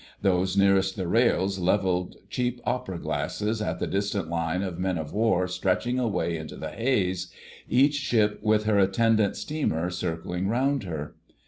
Those nearest the rails levelled cheap opera glasses at the distant line of men of war stretching away into the haze, each ship with her attendant steamer circling round her.